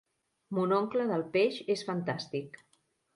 Mon oncle del peix és fantàstic.